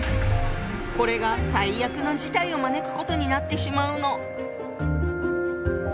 これが最悪の事態を招くことになってしまうの。